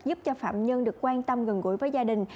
giúp cho phạm nhân được quan tâm gần gũi với gia đình